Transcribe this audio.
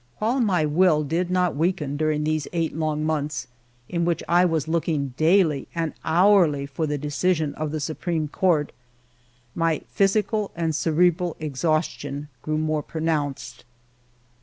While my will did not weaken during these eight long months, in which I was looking daily and hourly for the decision of the Supreme Court, my physical and cerebral exhaustion grew more pronounced.